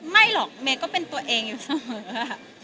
ไม่หรอกเมย์ก็เป็นตัวเองอยู่เสมอ